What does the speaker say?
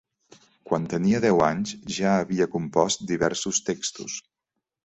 Quan tenia deu anys, ja havia compost diversos textos.